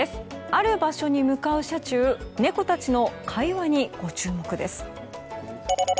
ある場所に向かう車中猫たちの会話にご注目です。